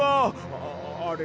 ああれ？